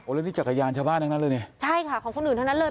แล้วนี่จักรยานชาวบ้านทั้งนั้นเลยเนี่ยใช่ค่ะของคนอื่นทั้งนั้นเลย